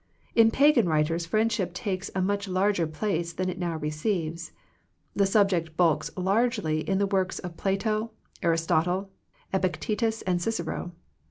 In Pagan writers friendship takes a much larger place than it now receives. The subject bulks largely in the works of Plato, Aristotle, Epictetus, Cicero.